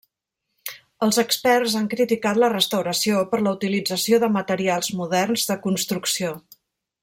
Els experts han criticat la restauració per la utilització de materials moderns de construcció.